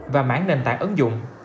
và mãn nền tảng ứng dụng